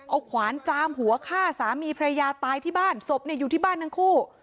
เอาขวานจามหัวฆ่าสามีพระยาตายที่บ้านศพอยู่ที่บ้านทั้งคู่